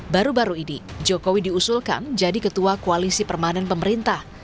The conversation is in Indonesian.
baru baru ini jokowi diusulkan jadi ketua koalisi permanen pemerintah